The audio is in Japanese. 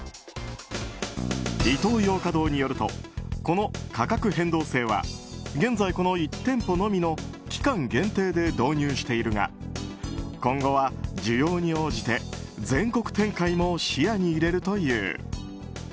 イトーヨーカドーによるとこの価格変動制は現在、この１店舗のみの期間限定で導入してるが今後は需要に応じて全国展開も視野に入れるという。